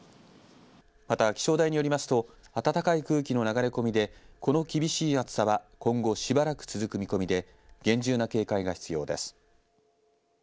また気象台によりますと暖かい空気の流れ込みでこの厳しい暑さは今後しばらく続く見込みで厳重な警戒が必要です。